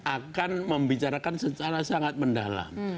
akan membicarakan secara sangat mendalam